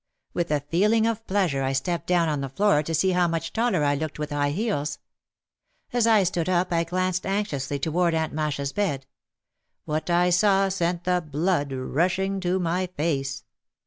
With a feeling of pleasure I stepped down on the floor to see how much taller I looked with high heels. As I stood up I glanced anxiously toward Aunt Masha's bed. What I saw sent the blood rushing to my face.